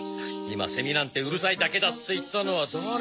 今セミなんてうるさいだけだって言ったのは誰？